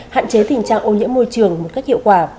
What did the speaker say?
hạn chế tình trạng ô nhiễm môi trường một cách hiệu quả